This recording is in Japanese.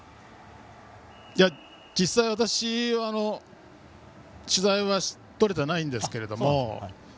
実際、私は取材は取れてないんですけども。